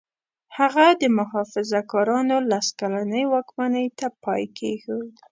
هغه د محافظه کارانو لس کلنې واکمنۍ ته پای کېښود.